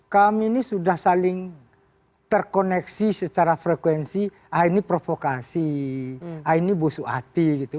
jadi ini tidak saling terkoneksi secara frekuensi ah ini provokasi ah ini busuk hati gitu